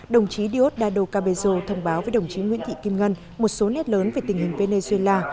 đồng chí diosdado cabezo thông báo với đồng chí nguyễn thị kim ngân một số nét lớn về tình hình venezuela